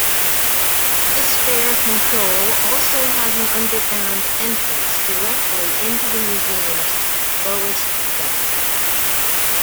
This fare control also has an underground entrance directly into the museum's lowest level.